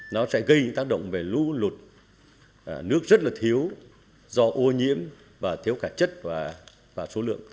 nó sẽ gây những tác động về lũ lụt nước rất là thiếu do ô nhiễm và thiếu cả chất và số lượng